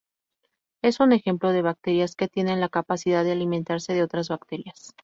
Es un ejemplo de bacterias que tienen la capacidad de alimentarse de otras bacterias.